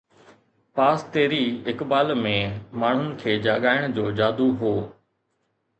پاس تيري اقبال ۾ ماڻهن کي جاڳائڻ جو جادو هو